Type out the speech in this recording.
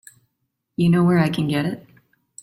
You know where I can get it?